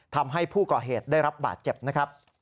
ทำให้ผู้ก่อเหตุได้รับบาดเจ็บนะครับ